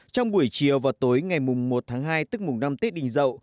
trong buổi chiều và tối ngày một tháng hai tức mùng năm tết đình dậu